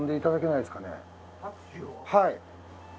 はい。